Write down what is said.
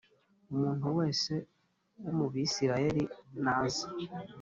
umuntu wese wo mu Bisirayeli naze